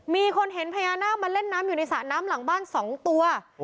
มีคนเห็นพญานาคมาเล่นน้ำอยู่ในสระน้ำหลังบ้าน๒ตัว